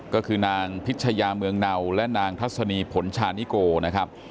ก็คือนางพิชยาเมืองเนาและนางทัศนีผลชานิโกนะครับ